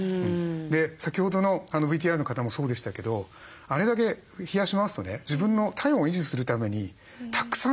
先ほどのＶＴＲの方もそうでしたけどあれだけ冷やしますとね自分の体温を維持するためにたくさんエネルギー使うんですよ。